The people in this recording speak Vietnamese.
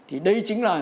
thì đây chính là